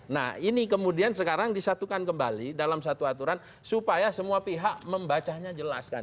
nah ini kemudian sekarang disatukan kembali dalam satu aturan supaya semua pihak membacanya jelas kan